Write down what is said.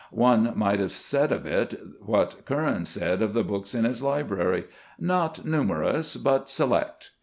One might have said of it what Curran said of the books in his library, " Not numerous, but select."